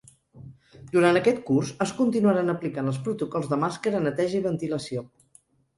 Durant aquest curs, es continuaran aplicant els protocols de màscara, neteja i ventilació.